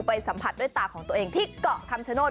สัมผัสด้วยตาของตัวเองที่เกาะคำชโนธ